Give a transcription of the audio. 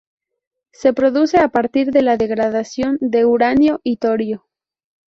Se produce a partir de la degradación de uranio y torio.